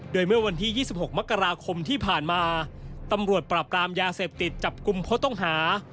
โดยเมื่อวันที่๒๖มกราคมที่ผ่านมาตำรวจปราบกรามยาเสพติดจับกลุ่มผู้ต้องหา